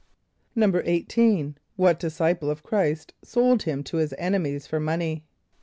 = =18.= What disciple of Chr[=i]st sold him to his enemies for money?